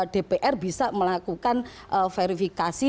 dpr bisa melakukan verifikasi